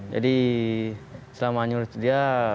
jadi selama hanyut itu dia